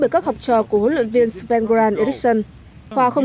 và hoàn toàn bị khắc chế bởi các học trò của huấn luyện viên sven goran ericsson